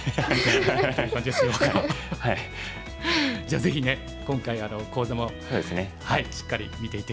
じゃあぜひね今回講座もしっかり見ていって下さい。